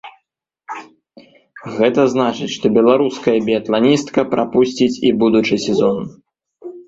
Гэта значыць, што беларуская біятланістка прапусціць і будучы сезон.